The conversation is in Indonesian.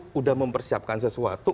sudah mempersiapkan sesuatu